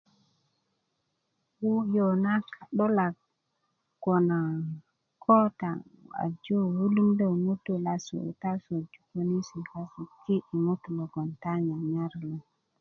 wu'yö na ka'dolak kona ko ta ajo wulundö ŋutu' nasu ta soju könisi kasu ki ko ŋutu' logon ta nyanyar lo